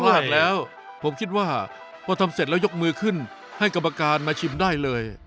มากแล้วผมคิดว่าพอทำเสร็จแล้วยกมือขึ้นให้กรรมการมาชิมได้เลย